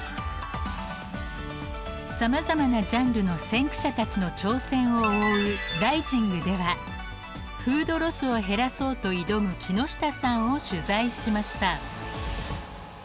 さまざまなジャンルの先駆者たちの挑戦を追う「ＲＩＳＩＮＧ」ではフードロスを減らそうと挑む木下さんを取材しました。